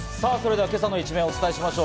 今朝の一面をお伝えしましょう。